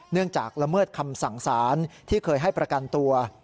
จากละเมิดคำสั่งสารที่เคยให้ประกันตัว